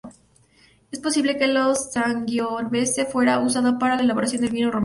Es posible que la sangiovese fuera usada para la elaboración del vino romano.